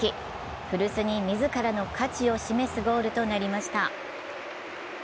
古巣に自らの価値を示すゴールとなりました。